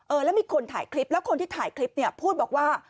แล้วมีคนถ่ายคลิปแล้วคนที่ถ่ายคลิปเนี่ยพูดบอกว่า